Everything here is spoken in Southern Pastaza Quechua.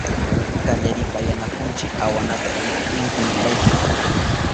Kallaripayanahunshi awanata itipinkunarayku.